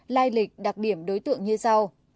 lai lịch đặc điểm đối tượng như sau